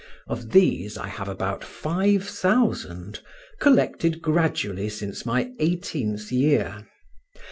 Of these I have about five thousand, collected gradually since my eighteenth year.